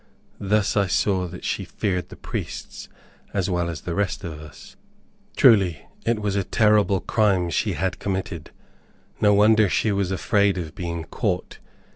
Thus I saw that she feared the priests as well as the rest of us. Truly, it was a terrible crime she had committed! No wonder she was afraid of being caught!